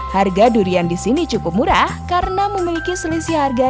harga durian di sini cukup murah karena memiliki selisih harga